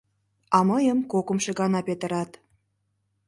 А мыйым кокымшо гана петырат...